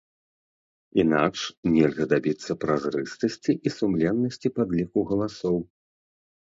Інакш нельга дабіцца празрыстасці і сумленнасці падліку галасоў.